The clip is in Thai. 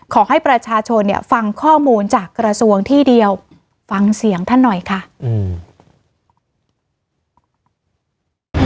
ขอให้ประชาชนเนี่ยฟังข้อมูลจากกระทรวงที่เดียวฟังเสียงท่านหน่อยค่ะอืม